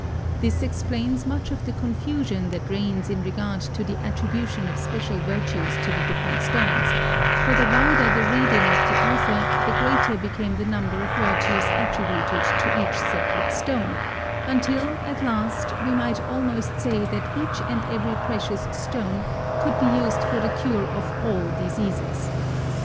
This explains much of the confusion that reigns in regard to the attribution of special virtues to the different stones, for the wider the reading of the author the greater became the number of virtues attributed to each separate stone, until, at last, we might almost say that each and every precious stone could be used for the cure of all diseases.